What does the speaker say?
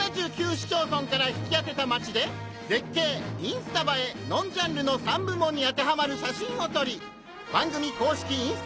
市町村から引き当てたマチで「絶景」・「インスタ映え」・「ノンジャンル」の３部門に当てはまる写真を撮り『番組公式Ｉｎｓｔａｇｒａｍ』にＵＰ！